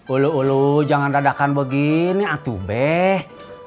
ulu ulu jangan dadakan begini atube